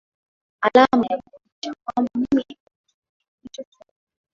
alama ya kuonyesha kwamba mimi ndio nitumie hicho chombo